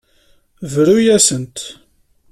Brut-asent.